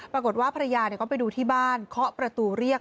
ปรากฏว่าภรรยาก็ไปดูที่บ้านเคาะประตูเรียก